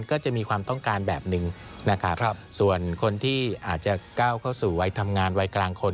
ก็จะมีความต้องการแบบหนึ่งนะครับส่วนคนที่อาจจะก้าวเข้าสู่วัยทำงานวัยกลางคน